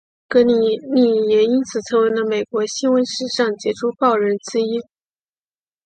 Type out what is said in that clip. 格里利也因此成为了美国新闻史上杰出报人之一。